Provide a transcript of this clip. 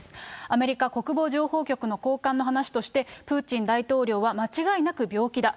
アメリカ国防情報局の高官の話として、プーチン大統領は間違いなく病気だ。